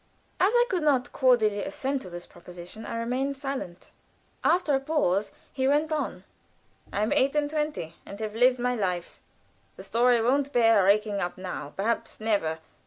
As I could not cordially assent to this proposition, I remained silent. After a pause he went on: "I am eight and twenty, and have lived my life. The story won't bear raking up now perhaps never.